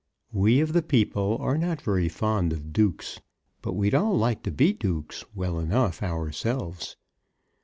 We of the people are not very fond of dukes; but we'd all like to be dukes well enough ourselves.